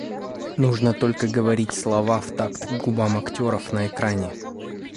Нужно только говорить слова в такт губам актеров на экране.